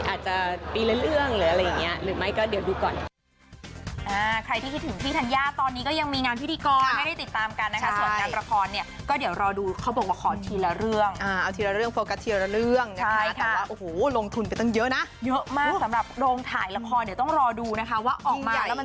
อาจจะปีละเรื่องหรืออะไรอย่างนี้หรือไม่ก็เดี๋ยวดูก่อน